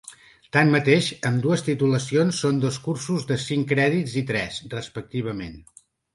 Tanmateix, ambdues titulacions són dos cursos de cinc crèdits i tres, respectivament.